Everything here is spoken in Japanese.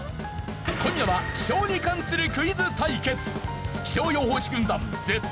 今夜は気象に関するクイズ対決！